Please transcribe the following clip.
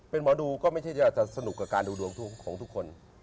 เป็นหมอดูก็ไม่ใช่จะสนุกกับการดูดวงของทุกคน